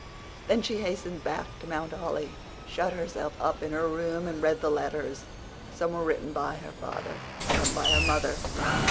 Then she hastened back to Mount Holly, shut herself up in her room, and read the letters. Some were written by her father, some by her mother.